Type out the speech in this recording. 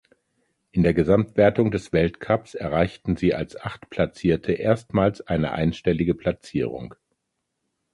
In der Gesamtwertung des Weltcups erreichten sie als Achtplatzierte erstmals eine einstellige Platzierung.